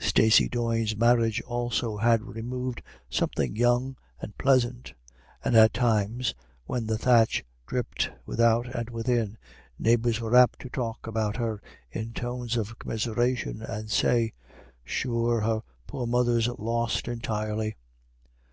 Stacey Doyne's marriage also had removed something young and pleasant, and at times, when the thatch dripped without and within, neighbours were apt to talk about her in tones of commiseration, and say, "Sure, her poor mother's lost entirely."